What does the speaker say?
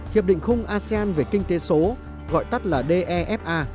hiệp định khung asean về kinh tế số gọi tắt là defa